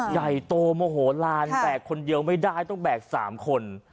ใหญ่โตโมโหลานแบกคนเดียวไม่ได้ต้องแบก๓คน